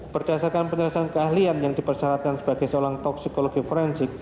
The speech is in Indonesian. berdasarkan penyelesaian keahlian yang dipersyaratkan sebagai seorang toksikologi forensik